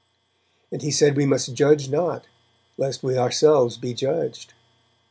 And he said we must judge not, lest we ourselves bejudged.